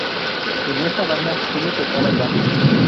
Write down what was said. En esta banda Sume tocaba el bajo.